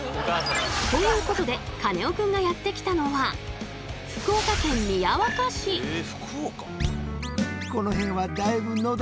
ということでカネオくんがやって来たのはでけえ。